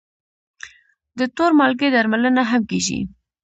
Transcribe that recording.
د تور مالګې درملنه هم کېږي.